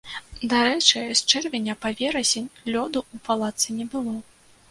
Дарэчы, з чэрвеня па верасень лёду у палацы не было.